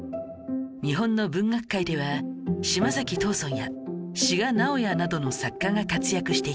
日本の文学界では島崎藤村や志賀直哉などの作家が活躍していた時代